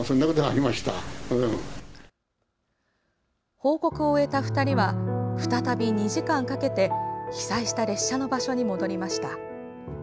報告を終えた２人は再び、２時間かけて被災した列車の場所に戻りました。